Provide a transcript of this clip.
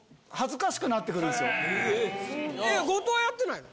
後藤はやってないの？